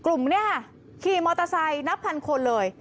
กลุ่มนี้ค่ะขี่มอเตอร์ไซค์นับพันคนเลย